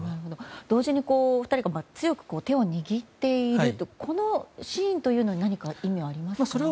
同時に２人が強く手を握っているこのシーンには何か意味はありますか？